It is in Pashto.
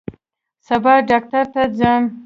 سبا ډاکټر ته ځم